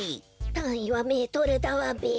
たんいはメートルだわべ。